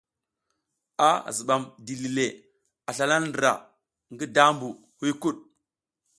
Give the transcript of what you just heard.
A zibam dili le a slala ndra le ngi daʼmbu huykuɗ.